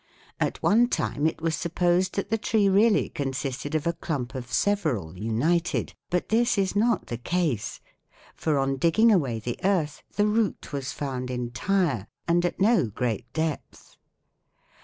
At one time it was supposed that the tree really consisted of a clump of several united, but this is not the case; for on digging away the earth the root was found entire, and at no great depth.